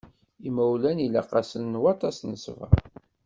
Imawlan ilaq-asen waṭas n ṣṣber.